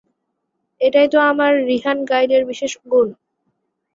এটাই তো আমার রিহান গাইডের বিশেষ গুন।